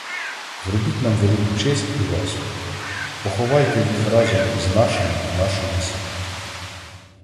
Зробіть нам велику честь і ласку: поховайте їх разом із нашими в нашому селі.